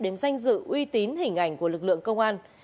đến danh dự uy tín hình ảnh của lực lượng công an